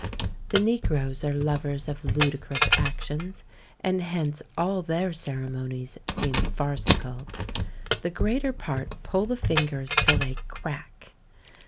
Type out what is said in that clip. The negroes are lovers of ludicrous actions, and hence all their ceremonies seem farcical. The greater part pull the fingers till they crack.